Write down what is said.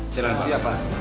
sudah siap pak